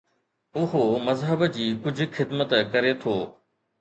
اهو مذهب جي ڪجهه خدمت ڪري ٿو.